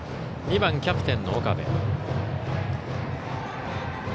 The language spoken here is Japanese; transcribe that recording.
２番キャプテンの岡部。